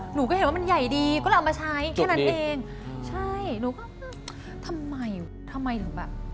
หนูก็เห็นว่ามันใหญ่ดีก็แล้วเอามาใช้แค่นั้นเอง